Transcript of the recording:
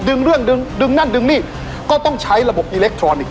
ดึงเรื่องดึงดึงนั่นดึงนี่ก็ต้องใช้ระบบอิเล็กทรอนิกส